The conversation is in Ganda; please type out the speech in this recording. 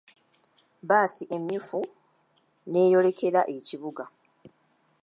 Bbaasi emyufu n'eyolekera ekibuga.